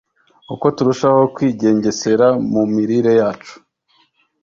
uko turushaho kwigengesera mu mirire yacu